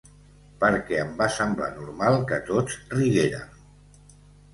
Perquè em va semblar normal que tots riguérem.